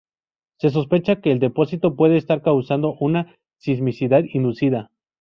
Se sospecha que el depósito puede estar causando una sismicidad inducida.